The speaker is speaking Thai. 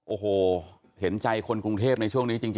โอ้โหเห็นใจคนกรุงเทพในช่วงนี้จริง